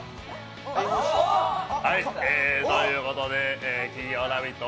はい、ということで金曜「ラヴィット！」